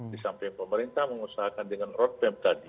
di samping pemerintah mengusahakan dengan road map tadi